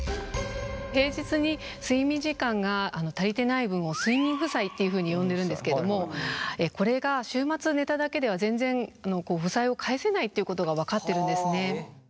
平日に睡眠時間が足りてない分を睡眠負債っていうふうに呼んでるんですけどもこれが週末寝ただけでは全然負債を返せないっていうことが分かってるんですね。